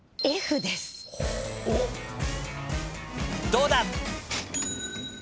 どうだ？